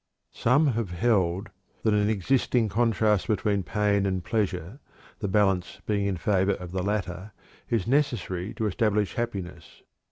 Some have held that an existing contrast between pain and pleasure (the balance being in favor of the latter) is necessary to establish happiness.